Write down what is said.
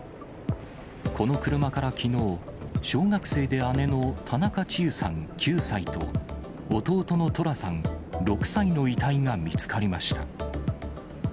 この車からきのう、小学生で姉の田中千結さん９歳と、弟の十楽さん６歳の遺体が見つかりました。